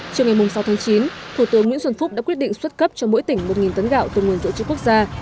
chiều ngày sáu tháng chín thủ tướng nguyễn xuân phúc đã quyết định xuất cấp cho mỗi tỉnh một tấn gạo từ nguồn dự trữ quốc gia